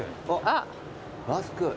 あっラスク。